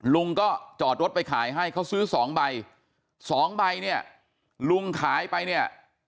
ลุงก็จอดรถไปขายให้เขาซื้อสองใบสองใบเนี่ยลุงขายไปเนี่ย